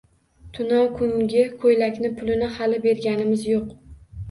Tunov kungi koʻylakni pulini hali berganimiz yoʻq